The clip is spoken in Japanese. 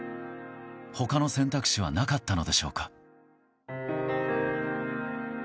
他の選択肢はなかったのでしょうか。